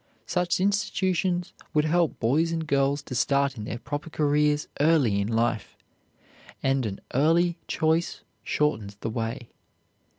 Such institutions would help boys and girls to start in their proper careers early in life; and an early choice shortens the way.